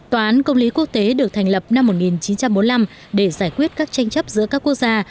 tòa án công lý quốc tế được thành lập năm một nghìn chín trăm bốn mươi năm để giải quyết các tranh chấp giữa các quốc gia